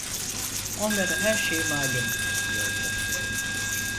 Onlara her şey malum! diyordu.